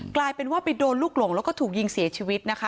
กลายเป็นว่าไปโดนลูกหลงแล้วก็ถูกยิงเสียชีวิตนะคะ